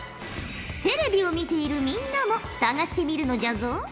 テレビを見ているみんなも探してみるのじゃぞ！